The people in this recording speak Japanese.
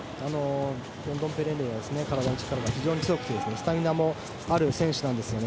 ヨンドンペレンレイは体の力が非常に強くてスタミナもある選手なんですよね。